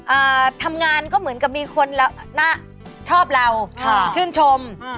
เออทำงานก็เหมือนกับมีคนชอบเราชื่นชม